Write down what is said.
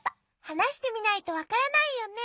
はなしてみないとわからないよね。